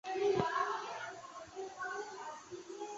阮攸被送至山南下镇亲戚段阮俊就学。